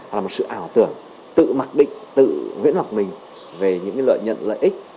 hoặc là một sự ảo tưởng tự mặc định tự viễn mặc mình về những lợi nhuận lợi ích